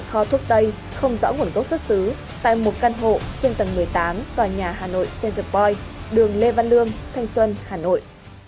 không rõ nguồn gốc xuất xứ tại một căn hộ trên tầng một mươi tám tòa nhà hà nội center point đường lê văn lương thanh xuân hà nội